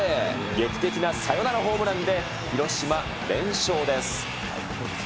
劇的なサヨナラホームランで、広島、連勝です。